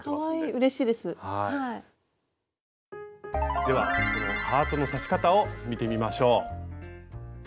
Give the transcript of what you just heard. ではそのハートの刺し方を見てみましょう。